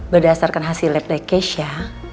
berdasarkan hasil leplek keisha